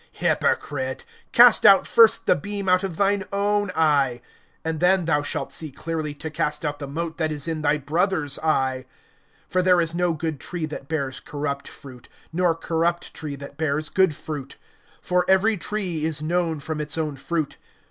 Hypocrite! cast out first the beam out of thine eye, and then thou shalt see clearly to cast out the mote that is in thy brother's eye. (43)For there is no good tree that bears corrupt fruit, nor corrupt tree that bears good fruit. (44)For every tree is known from its own fruit.